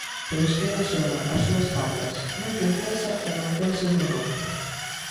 Pero Esquerra xoga as súas cartas, non ten présa e mantense no non.